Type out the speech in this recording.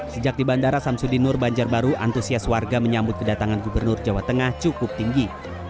sejak di bandara samsudinur banjarbaru antusias warga menyambut kedatangan gubernur jawa tengah cukup tinggi